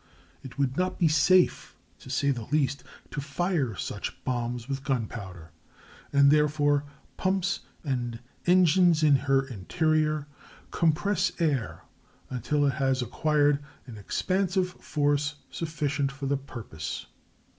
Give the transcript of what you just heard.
It would not be safe, to say the least, to fire such bombs with gunpowder; and therefore pumps and engines in her interior compress air until it has acquired an expansive force sufficient for the purpose.